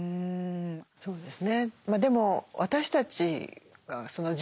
そうですね。